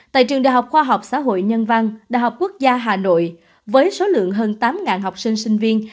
tại trường đại học khoa học xã hội nhân văn đại học quốc gia hà nội với số lượng hơn tám học sinh sinh viên